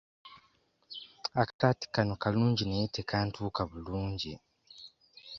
Akasaati kano kalungi naye tekantuuka bulungi.